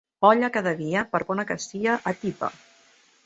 Olla cada dia, per bona que sia, atipa.